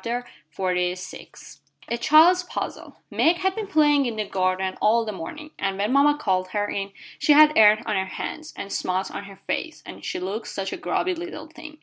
A CHILD'S PUZZLE Meg had been playing in the garden all the morning, and when mama called her in she had earth on her hands, and smuts on her face, and she looked such a grubby little thing.